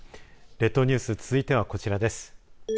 列島ニュース続いてはこちらです。